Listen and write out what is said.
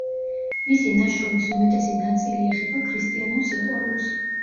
მისი ნაშრომის უმეტესი ნაწილი ეხება ქრისტიანულ სიყვარულს.